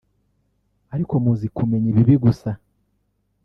ark muzi kumenya ibibi gusa